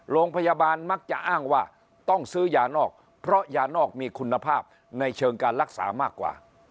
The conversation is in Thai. โรงพยาบาลมักจะอ้างว่าต้องซื้อยานอกเพราะยานอกมีคุณภาพในเชิงการรักษามากกว่า